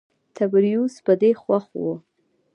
تبریوس په دې خوښ و.